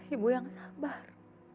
ibu yang sabar